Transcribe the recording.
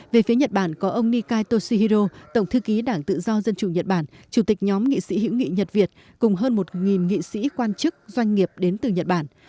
về phía nhật bản có ông nikai toshihiro tổng thư ký đảng tự do dân chủ nhật bản chủ tịch nhóm nghị sĩ hữu nghị nhật việt cùng hơn một nghị sĩ quan chức doanh nghiệp đến từ nhật bản